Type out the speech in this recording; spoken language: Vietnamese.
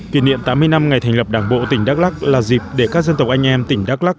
kỷ niệm tám mươi năm ngày thành lập đảng bộ tỉnh đắk lắc là dịp để các dân tộc anh em tỉnh đắk lắc